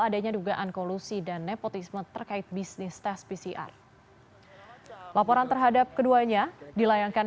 adanya dugaan kolusi dan nepotisme terkait bisnis tes pcr laporan terhadap keduanya dilayangkan